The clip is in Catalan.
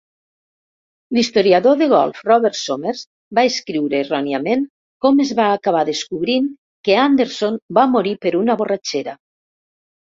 L'historiador de golf Robert Sommers va escriure, erròniament com es va acabar descobrint, que Anderson va morir per una borratxera.